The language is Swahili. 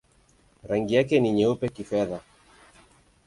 Rangi yake ni nyeupe-kifedha.